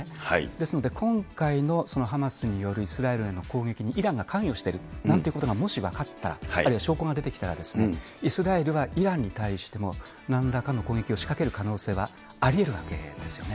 ですので、今回のハマスによるイスラエルへの攻撃にイランが関与しているなんてことがもし分かったら、あるいは証拠が出てきたら、イスラエルがイランに対しても、なんらかの攻撃を仕掛ける可能性はありえるわけですよね。